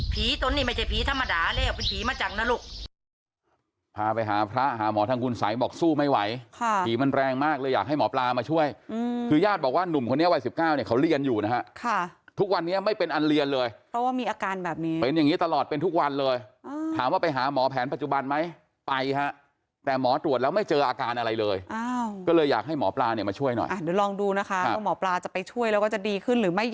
ภีร์ตอนนี้ไม่ใช่ภีร์ธรรมดาเรียกว่าเป็นภีร์มาจังนรก